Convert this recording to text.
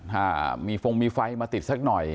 ถ้ามีฟงมีไฟมาติดสักหน่อย